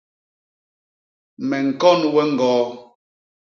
Me ñkon we ñgoo.